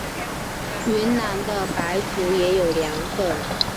云南的白族也有凉粉。